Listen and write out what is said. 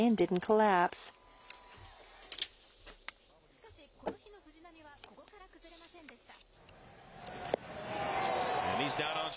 しかし、この日の藤浪はここから崩れませんでした。